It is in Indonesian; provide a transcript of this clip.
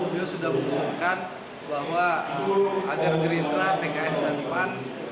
beliau sudah mengusulkan bahwa agar gerindra pks dan pan